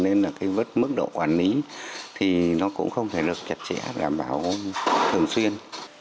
nên mức độ quản lý cũng không thể được chặt chẽ đảm bảo thường xuyên